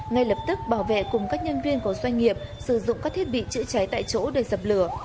ngay lập tức bảo vệ cùng các nhân viên của doanh nghiệp sử dụng các thiết bị chữa cháy tại chỗ để dập lửa